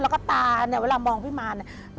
แล้วก็ตาเนี่ยเวลามองพี่มารเนี่ย